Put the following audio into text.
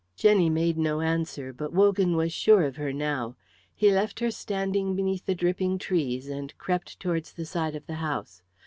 Jenny made no answer, but Wogan was sure of her now. He left her standing beneath the dripping trees and crept towards the side of the house.